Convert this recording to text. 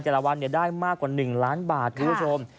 แต่ละวันได้มากกว่า๑ล้านบาทคุณผู้ชม